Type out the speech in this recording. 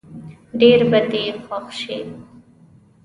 ډېر به دې خوښ شي.